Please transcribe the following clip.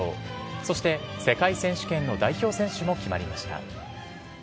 そして、世界選手権の代表選手も決まりました。